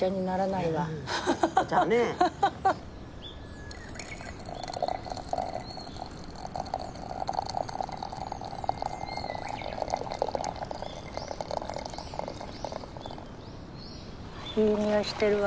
いい匂いしてるわ。